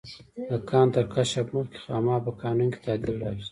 د کان تر کشف مخکې خاما په قانون کې تعدیل راوست.